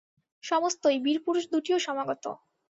সমস্তই– বীরপুরুষ দুটিও সমাগত।